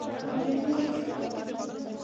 مالګه ډیره کاروئ؟